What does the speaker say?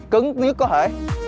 cũng dưới có thể